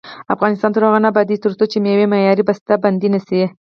افغانستان تر هغو نه ابادیږي، ترڅو وچې میوې معیاري بسته بندي نشي.